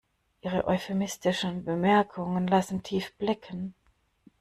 Ihre euphemistischen Bemerkungen lassen tief blicken.